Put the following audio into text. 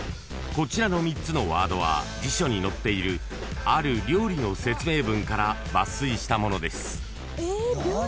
［こちらの３つのワードは辞書に載っているある料理の説明文から抜粋したものです］